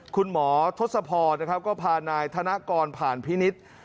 คุณหมอทศพรนะครับก็พานายธนกรผ่านพินิษฐ์